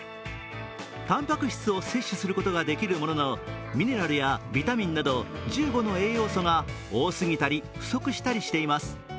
たんぱく質を摂取することができるものの、ミネラルやビタミンなど、１５の栄養素が多すぎたり不足したりしています。